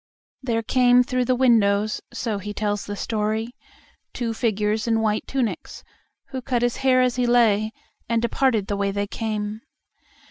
There came through the windows (so he tells the story) two figures in white tunics, who cut his hair as he lay, and departed the way they came.